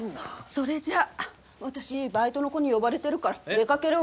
それじゃあ私バイトの子に呼ばれてるから出かけるわ。